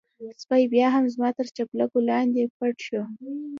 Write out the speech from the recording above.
سپی بيا هم زما تر چپلکو لاندې پټ شو.